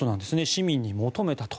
市民に求めたと。